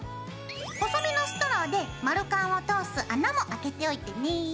細めのストローで丸カンを通す穴もあけておいてね。